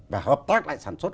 và hợp tác lại sản xuất